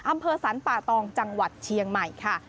อำเภอสรรป่าตองจังหวัดเชียงใหม่ค่ะ